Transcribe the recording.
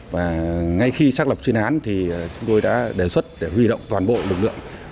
và ngay khi xác lập chuyên án thì chúng tôi đã đề xuất để huy động toàn bộ lực lượng